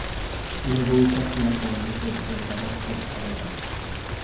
ለቡሰት ትለፋልፍ እብ ዔደረት ተተዌ